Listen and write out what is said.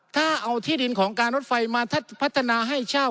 ถ้าเอาที่ดินของการรถไฟมาพัฒนาให้เช่า